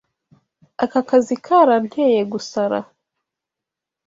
Aka kazi karanteye gusara.